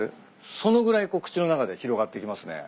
そのぐらい口の中で広がっていきますね。